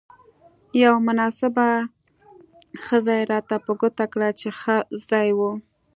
یوه مناسبه خزه يې راته په ګوته کړه، چې ښه ځای وو.